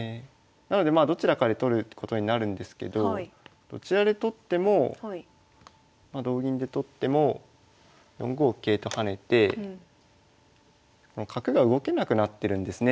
なのでまあどちらかで取ることになるんですけどどちらで取ってもまあ同銀で取っても４五桂と跳ねて角が動けなくなってるんですね